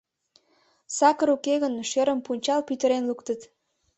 Сакыр уке гын, шӧрым пунчал-пӱтырен луктыт...